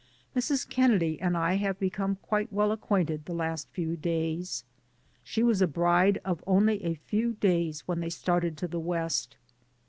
Mrs. Kennedy and I have become quite well acquainted the last few days. She was a bride of only a few days when they started to the West.